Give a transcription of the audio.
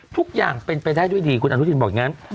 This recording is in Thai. ทุกอย่างเป็นไปได้ด้วยดีคุณอนุทินบอกอย่างนั้น